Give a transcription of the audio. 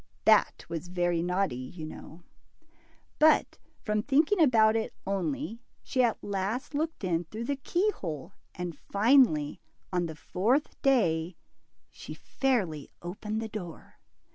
That was very naughty, you know. But, from thinking about it only, she at last looked in through the keyhole, and finally, on the fourth day, she fairly opened the door.